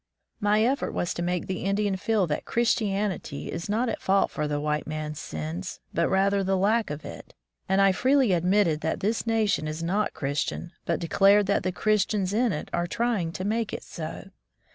My eflfort was to make the Indian feel that Christianity is not at fault for the white man's sins, but rather the lack of it, and I 149 From the Deep Woods to Civilization freely admitted that this nation is not Christian, but declared that the Christians in it are trying to make it so.